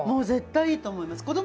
絶対いいと思います。